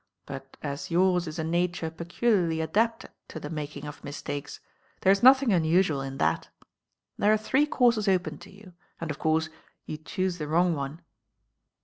"But as yours is a nature peculiarly adapted to the making of mistakes, there's nothing unusual in that. There are three courses open to you and, of course, you choose the wrong one."